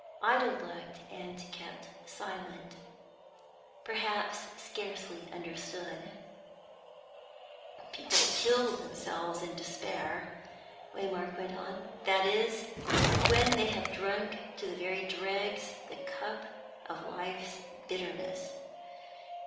Ida looked, and kept silent; perhaps scarcely understood. "People kill themselves in despair," Waymark went on, "that is, when they have drunk to the very dregs the cup of life's bitterness.